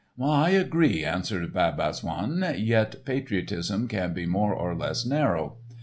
"I agree," answered Bab Azzoun; "yet patriotism can be more or less narrow.